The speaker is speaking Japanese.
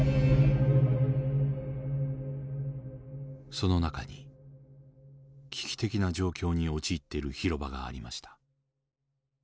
その中に危機的な状況に陥っている広場がありました。